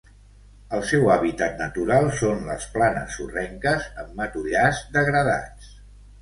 El seu hàbitat natural són les planes sorrenques amb matollars degradats.